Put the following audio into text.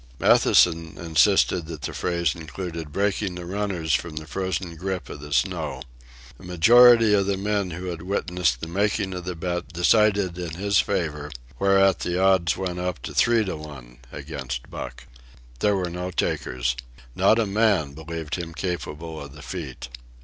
Matthewson insisted that the phrase included breaking the runners from the frozen grip of the snow. A majority of the men who had witnessed the making of the bet decided in his favor, whereat the odds went up to three to one against Buck. There were no takers. Not a man believed him capable of the feat.